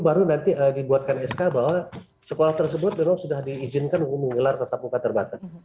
sudah dibuatkan sk bahwa sekolah tersebut sudah diizinkan mengelar tetap buka terbatas